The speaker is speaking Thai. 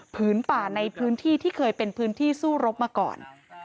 ป่าในพื้นที่ที่เคยเป็นพื้นที่สู้รบมาก่อน